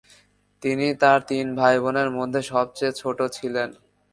তিনি তার তিন ভাইবোনের মধ্যে সবচেয়ে ছোট ছিলেন।